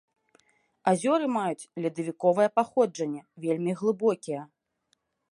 Азёры маюць ледавіковае паходжанне, вельмі глыбокія.